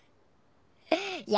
いや